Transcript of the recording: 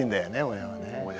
親はね。